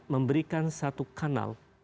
memberikan satu kanal